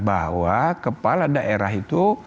bahwa kepala daerah itu